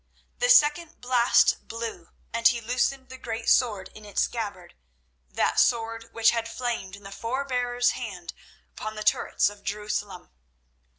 The second blast blew, and he loosened the great sword in its scabbard, that sword which had flamed in his forbear's hand upon the turrets of Jerusalem.